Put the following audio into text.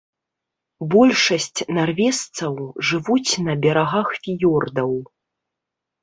Большасць нарвежцаў жывуць на берагах фіёрдаў.